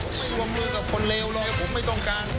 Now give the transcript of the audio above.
ผมไม่รวมมือกับคนเลวเลยผมไม่ต้องการ